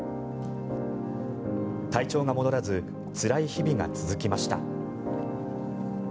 体調が戻らずつらい日々が続きました。